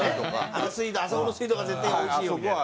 あそこの水道が絶対おいしいよみたいな。